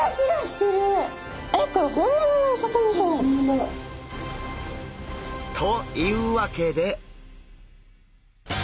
えっこれ本物のお魚？というわけで。